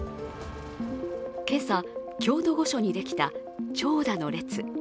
今朝、京都御所にできた長蛇の列。